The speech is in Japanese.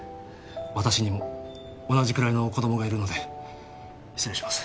私にも同じくらいの子供がいるので失礼します